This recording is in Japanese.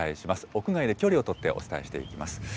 屋外で距離を取ってお伝えしていきます。